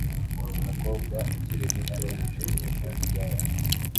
Umukobwa ukiri muto wijimye kuri gare